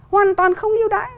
hoàn toàn không ưu đãi